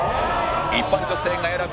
一般女性が選ぶ